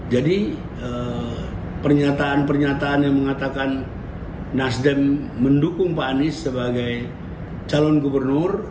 jadi pernyataan pernyataan yang mengatakan nasdem mendukung pak anies sebagai calon gubernur